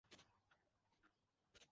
হ্যাঁ, ভয় পাওয়াই উচিত!